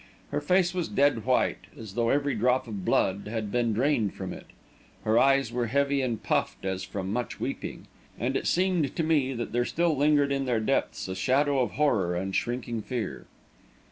Her face was dead white, as though every drop of blood had been drained from it; her eyes were heavy and puffed, as from much weeping, and it seemed to me that there still lingered in their depths a shadow of horror and shrinking fear.